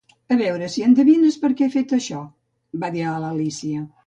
"A veure si endevines per què he fet això", va dir a l'Alícia.